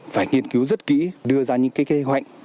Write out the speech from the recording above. phải nghiên cứu rất kỹ đưa ra những cái kế hoạch